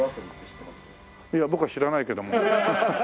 いや僕は知らないけども。